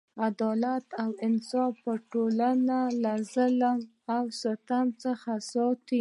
عدالت او انصاف ټولنه له ظلم او ستم څخه ساتي.